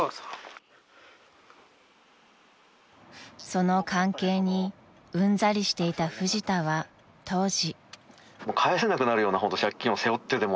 ［その関係にうんざりしていたフジタは当時］